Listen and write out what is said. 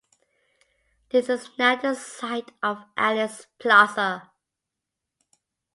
This is now the site of Alice Plaza.